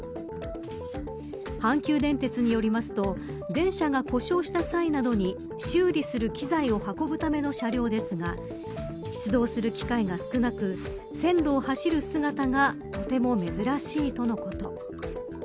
阪急電鉄によりますと電車が故障した際などに修理する機材を運ぶための車両ですが出動する機会が少なく線路を走る姿がとても珍しいとのこと。